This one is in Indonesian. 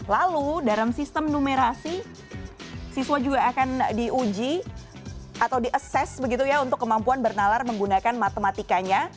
lalu dalam sistem numerasi siswa juga akan diuji atau di assess begitu ya untuk kemampuan bernalar menggunakan matematikanya